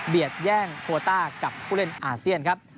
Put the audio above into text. แย่งโคต้ากับผู้เล่นอาเซียนครับ